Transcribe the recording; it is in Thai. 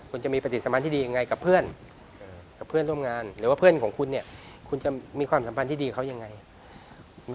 คุณจะมีปฏิสมาธิดียังไงกับเพื่อนกับเพื่อนร่วมงานหรือว่าเพื่อนของคุณเนี่ยคุณจะมีความสัมพันธ์ที่ดีเขายังไง